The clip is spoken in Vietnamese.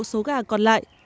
số gà còn lại